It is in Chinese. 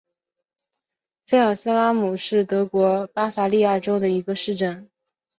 菲尔斯海姆是德国巴伐利亚州的一个市镇。